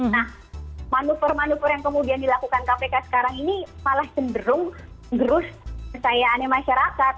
nah manupur manupur yang kemudian dilakukan kpk sekarang ini malah cenderung gerus kesayainya masyarakat